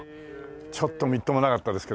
ちょっとみっともなかったですけどね。